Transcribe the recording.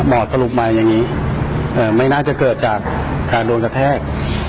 สรุปมาอย่างนี้ไม่น่าจะเกิดจากการโดนกระแทก